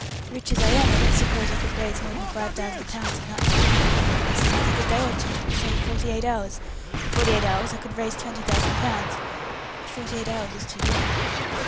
Rich as I am, I don't suppose I could raise more than five thousand pounds in that time. These things take a day or two, say forty eight hours. In forty eight hours I could raise twenty thousand pounds, but forty eight hours is too long.